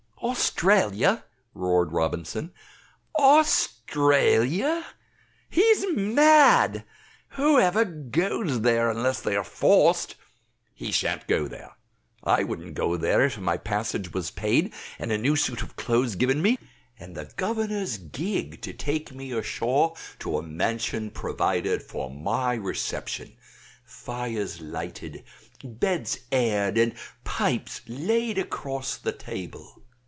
"Australia!" roared Robinson "Australia! He's mad. Who ever goes there unless they are forced? He shan't go there! I wouldn't go there if my passage was paid, and a new suit of clothes given me, and the governor's gig to take me ashore to a mansion provided for my reception, fires lighted, beds aired and pipes laid across upon the table."